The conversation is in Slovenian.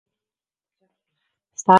Starec je kar pustil knjigo.